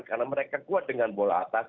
karena mereka kuat dengan bola atas